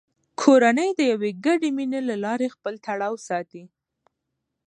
کورنۍ د یوې ګډې مینې له لارې خپل تړاو ساتي